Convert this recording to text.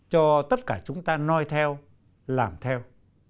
cho tất cả chúng ta nói theo làm theo